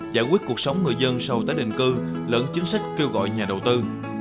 giải quyết cuộc sống người dân sau tái định cư lẫn chính sách kêu gọi nhà đầu tư